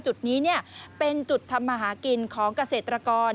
จุดนี้เป็นจุดทำมาหากินของเกษตรกร